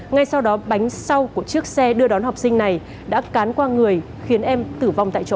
ngay sau đó bánh sau của chiếc xe đưa đón học sinh này đã cán qua người khiến em tử vong tại chỗ